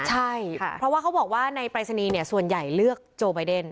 ใช่เพราะว่าเขาบอกว่าในปรายศนีย์ส่วนใหญ่เลือกโจไบเดน